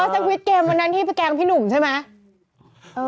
อ๋อสวิทเกมอ่านั้นที่แกกับพี่หนุ่มใช่ไหม